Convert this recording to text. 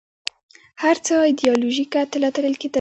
هر څه ایدیالوژیکه تله تلل کېدل